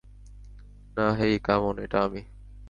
না, hey, come on, এটা আমি।